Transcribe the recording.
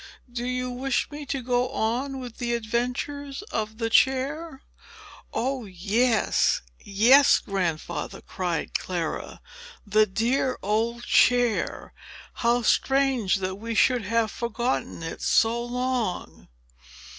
"Do you wish me to go on with the adventures of the chair?" "Oh, yes, yes, Grandfather!" cried Clara. "The dear old chair! How strange that we should have forgotten it so long!"